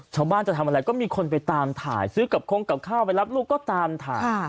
ชาวบ้านจะทำอะไรก็มีคนไปตามถ่ายซื้อกับคงกับข้าวไปรับลูกก็ตามถ่าย